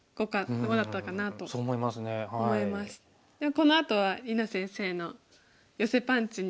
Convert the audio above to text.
このあとは里菜先生のヨセパンチに。